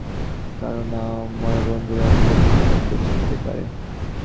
কারণ আমার বন্ধুরা, এমনিতে নতুন লোকদের চিনতে পারে।